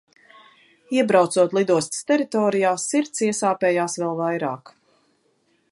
Iebraucot lidostas teritorijā, sirds iesāpējās vēl vairāk.